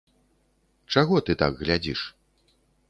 Чаго ты так глядзіш?